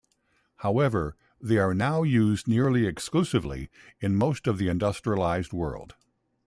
However, they are now used nearly exclusively in most of the industrialized world.